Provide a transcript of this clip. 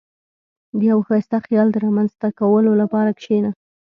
• د یو ښایسته خیال د رامنځته کولو لپاره کښېنه.